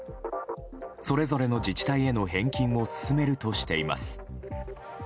それぞれの自治体への返金を進めるとしています。